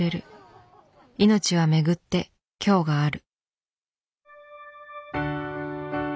命は巡って今日がある。